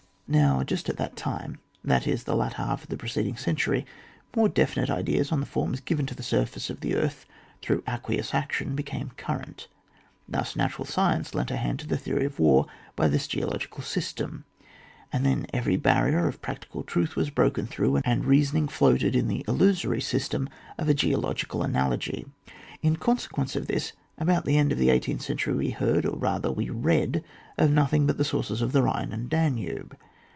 Now just at that time, that is the latter half of the preceding century, more definite ideas on the forms given to the surface of the earth through aqueous action became current; thus natural science lent a hand to the theory of war by this geological system, and then every barrier of practical truth was broken through, and reasoning floated in the illusory system of a geological analogy. In consequence of this, about the end of the eighteenth century we heard, or rather we ready of nothing but the sources of the Bhine and Danube.